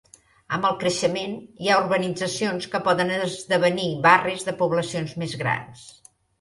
Amb el creixement, hi ha urbanitzacions que poden esdevenir barris de poblacions més grans.